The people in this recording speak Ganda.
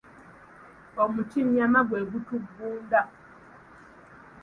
Omutinnyama gwe mutugunda.